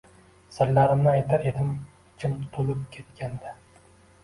Sirlarimni aytar edim ichim tulib ketganda